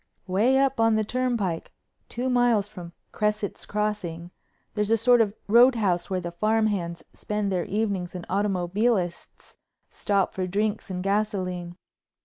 Way up on the turnpike, two miles from Cresset's Crossing, there's a sort of roadhouse where the farm hands spend their evenings and automobilists stop for drinks and gasoline.